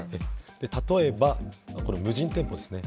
例えば、これ、無人店舗ですね。